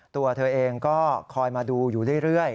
ตัวเธอเองก็คอยมาดูอยู่เรื่อย